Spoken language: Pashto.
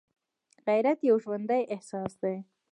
غیرت یو ژوندی احساس دی